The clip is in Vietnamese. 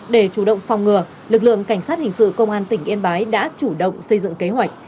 để chủ động phòng ngừa lực lượng cảnh sát hình sự công an tỉnh yên bái đã chủ động xây dựng kế hoạch